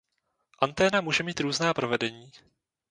Anténa může mít různá provedení.